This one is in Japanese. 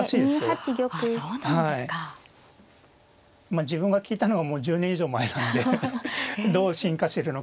まあ自分が聞いたのはもう１０年以上前なんでどう進化してるのか今日楽しみですね。